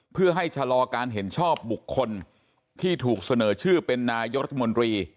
เพื่อให้ชะลอการเห็นชอบบุคคลที่ถูกเสนอชื่อเป็นนายกรัฐมนตรี